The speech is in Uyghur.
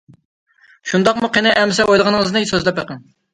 -:شۇنداقمۇ؟ قىنى ئەمسە ئويلىغىنىڭىزنى سۆزلەپ بېقىڭ.